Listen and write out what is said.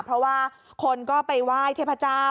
เพราะว่าคนก็ไปไหว้เทพเจ้า